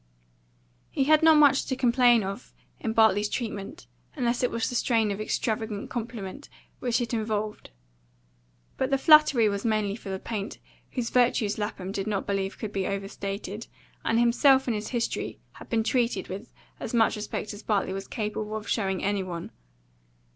He had not much to complain of in Bartley's treatment, unless it was the strain of extravagant compliment which it involved. But the flattery was mainly for the paint, whose virtues Lapham did not believe could be overstated, and himself and his history had been treated with as much respect as Bartley was capable of showing any one.